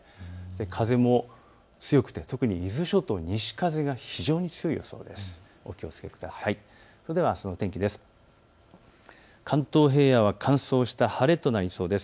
風も強くて特に伊豆諸島、西風が非常に強い予想です。